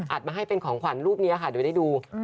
มาให้เป็นของขวัญรูปนี้ค่ะเดี๋ยวได้ดู